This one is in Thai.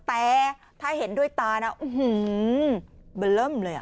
แต่ถ้าเห็นด้วยตาน่ะอื้อหือบล้ำเลยอ่ะ